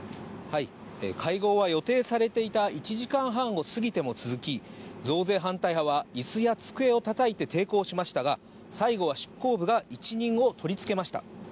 会合は、予定されていた１時間半を過ぎても続き、増税反対派はいすや机をたたいて抵抗しましたが、最後は執行部が一任を取り付けました。